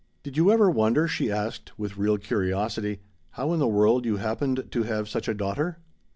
"Did you ever wonder," she asked, with real curiosity, "how in the world you happened to have such a daughter?"